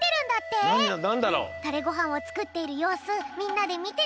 タレごはんをつくっているようすみんなでみてみよう！